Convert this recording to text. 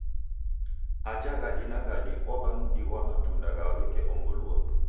Aja ghadi na ghadi owa mdi ghwa matunda gha weke ongolua.